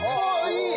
いい！